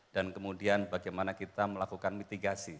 dan kemudian bagaimana kita melakukan mitigasi